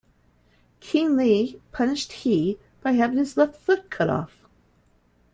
King Li punished He by having his left foot cut off.